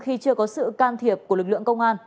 khi chưa có sự can thiệp của lực lượng công an